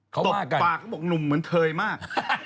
เขามากันตบปากเขาบอกหนุ่มเหมือนเทยมาก